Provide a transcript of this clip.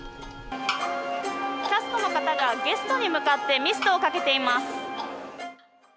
キャストの方が、ゲストに向かってミストをかけています。